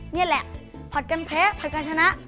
นี่แหละผัดกันแพ้ผัดกันชนะ